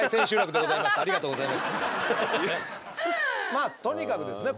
まあとにかくですね